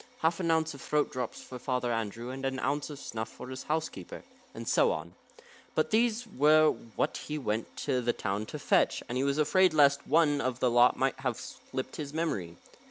"Half an ounce of throat drops for Father Andrew, and an ounce of snuff for his housekeeper," and so on. For these were what he went to the town to fetch, and he was afraid lest one of the lot might have slipped his memory.